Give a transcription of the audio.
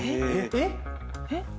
えっ？